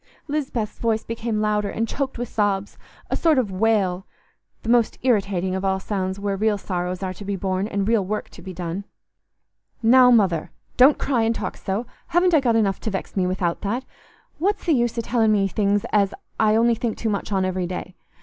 Lisbeth's voice became louder, and choked with sobs—a sort of wail, the most irritating of all sounds where real sorrows are to be borne and real work to be done. Adam broke in impatiently. "Now, Mother, don't cry and talk so. Haven't I got enough to vex me without that? What's th' use o' telling me things as I only think too much on every day?